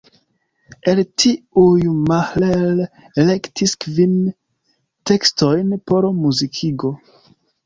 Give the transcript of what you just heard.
El tiuj Mahler elektis kvin tekstojn por muzikigo.